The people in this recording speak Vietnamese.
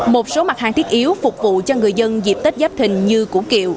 một số mặt hàng thiết yếu phục vụ cho người dân dịp tết giáp thình như củ kiệu